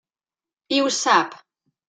I ho sap.